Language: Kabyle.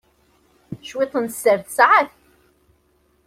Cwiṭ n sser tesɛa-t.